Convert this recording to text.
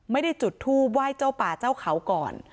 ไม่ได้จุดทูปไหว้เจ้าป่าเจ้าเขาก่อน